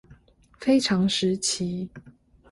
非常時期